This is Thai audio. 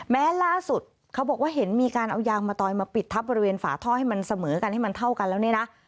ล่าสุดเขาบอกว่าเห็นมีการเอายางมะตอยมาปิดทับบริเวณฝาท่อให้มันเสมอกันให้มันเท่ากันแล้วเนี่ยนะ